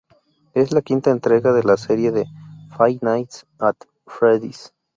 Es la quinta entrega de la serie de "Five Nights at Freddy's".